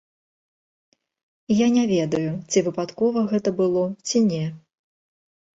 Я не ведаю, ці выпадкова гэта было, ці не.